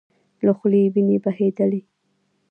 له خولې يې وينې بهيدلې.